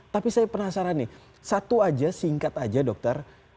tapi saya penasaran nih satu aja singkat aja dokter